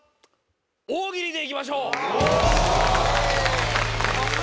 大喜利でいきましょう。